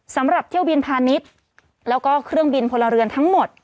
สำหรับเที่ยวบินพาณิชย์แล้วก็เครื่องบินพลเรือนทั้งหมด